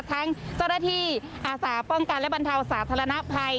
ทั้งเจ้าหน้าที่อาสาป้องกันและบรรเทาสาธารณภัย